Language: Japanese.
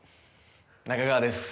中川です。